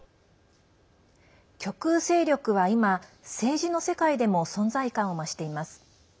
極右勢力は今、政治の世界でも存在感を増しています。